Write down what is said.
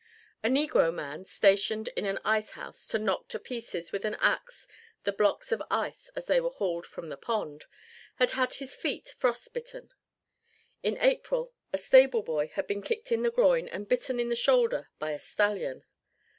A negro man, stationed in an ice house to knock to pieces with an axe the blocks of ice as they were hauled from the pond, had had his feet frost bitten. In April a stable boy had been kicked in the groin and bitten in the shoulder by a stallion.